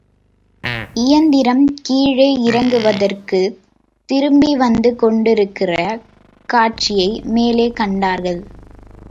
இயந்திரம் கீழே இறங்குவதற்குத் திரும்பி வந்துகொண்டிருக்கிற காட்சியை, மேலே கண்டார்கள்.